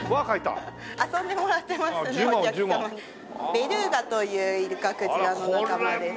ベルーガというイルカクジラの仲間ですね。